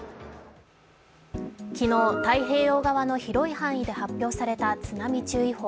昨日、太平洋側の広い範囲で発表された津波注意報。